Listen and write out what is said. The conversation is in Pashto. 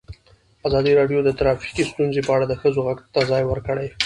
ازادي راډیو د ټرافیکي ستونزې په اړه د ښځو غږ ته ځای ورکړی.